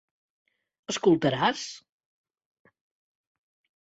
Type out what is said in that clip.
Escoltaràs?